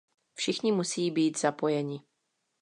Všichni musí být zapojeni.